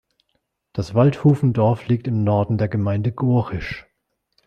Das Waldhufendorf liegt im Norden der Gemeinde Gohrisch.